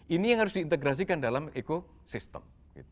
ini yang harus diintegrasikan dalam ekosistem